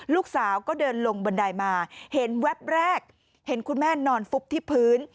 ลูกสาวก็เดินลงบันไดมาเห็นแวบแรกเห็นคุณแม่นอนฟุบที่พื้น